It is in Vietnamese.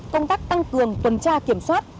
công tác tăng cường tuần tra kiểm soát